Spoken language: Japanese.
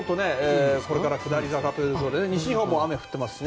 下り坂ということで西日本では雨が降っていますし